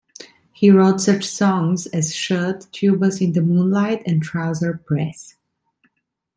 He wrote such songs as "Shirt", "Tubas in the Moonlight" and "Trouser Press".